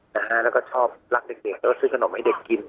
แล้วก็ชอบรักเด็กแล้วก็ซื้อขนมให้เด็กกิน